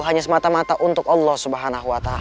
hanya semata mata untuk allah subhanahu wa ta'ala